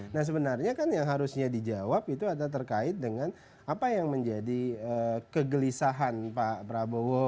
nah sebenarnya kan yang harusnya dijawab itu ada terkait dengan apa yang menjadi kegelisahan pak prabowo